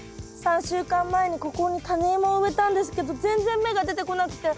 ３週間前にここにタネイモを植えたんですけど全然芽が出てこなくて。